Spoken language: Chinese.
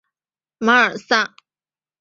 马尔萨。